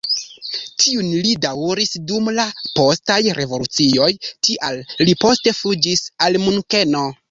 Tiun li daŭris dum la postaj revolucioj, tial li poste fuĝis al Munkeno.